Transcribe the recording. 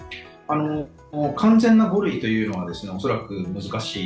感染が５類というのは、恐らく難しい。